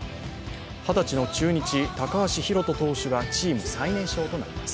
２０日の中日・高橋投手がチーム最年少となります。